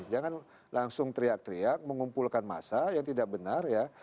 jangan langsung teriak teriak mengumpulkan massa yang tidak benar ya